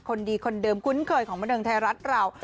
คนดีคนเดิมคุ้นเกิดของเมืองไทยรัฐเรา